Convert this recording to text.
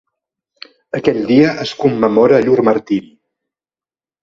Aquell dia es commemora llur martiri.